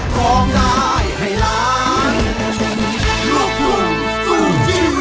ก๊อปร้อง